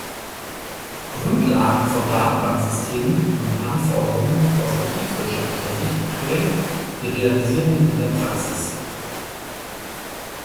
Grundlagen von Datenbanksystemen und Anforderungen aus betriebswirtschaftlicher Sicht prägen die Realisierungen in der Praxis.